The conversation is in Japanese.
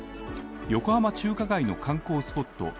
横浜中華街の観光スポット